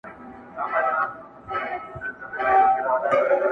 زه چوپړ کي د ساقي پر خمخانه سوم,